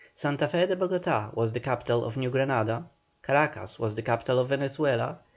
Santa Fé de Bogotá was the capital of New Granada, Caracas was the capital of Venezuela.